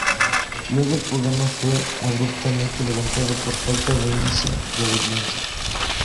Luego el programa fue abruptamente levantado por falta de índice de audiencia.